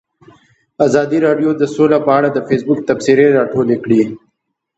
ازادي راډیو د سوله په اړه د فیسبوک تبصرې راټولې کړي.